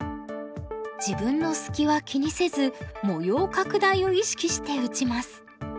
自分の隙は気にせず模様拡大を意識して打ちます。